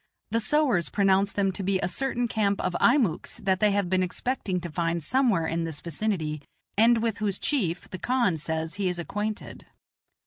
The sowars pronounce them to be a certain camp of Einiucks that they have been expecting to find somewhere in this vicinity, and with whose chief the khan says he is acquainted.